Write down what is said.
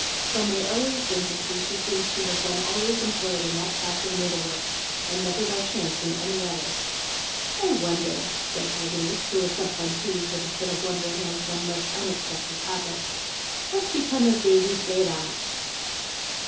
From my earliest infancy she seems to have been always employed in that class of needlework, and never by any chance in any other. 'I wonder,' said Peggotty, who was sometimes seized with a fit of wondering on some most unexpected topic, 'what's become of Davy's great aunt?